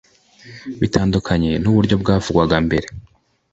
Bitandukanye n’uburyo byavugwaga mbere